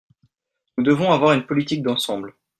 Nous devons avoir une politique d’ensemble.